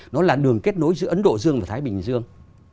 nó là đường kết nối giữa ấn độ dương và thái bình dương